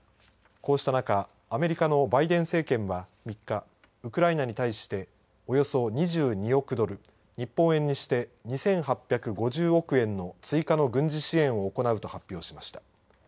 こうした中アメリカのバイデン政権は３日、ウクライナに対しておよそ２２億ドル日本円にして２８５０億円の追加の軍事支援を行うと発表しました。